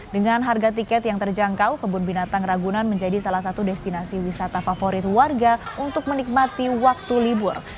dengan harga tiket yang terjangkau kebun binatang ragunan menjadi salah satu destinasi wisata favorit warga untuk menikmati waktu libur